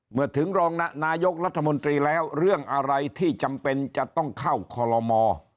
เมื่อถึงรองนายกรัฐมนตรีแล้วเรื่องอะไรที่จำเป็นจะต้องเข้าคอลโลม